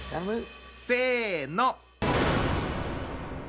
せの。